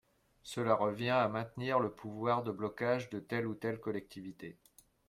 Cela revient à maintenir le pouvoir de blocage de telle ou telle collectivité.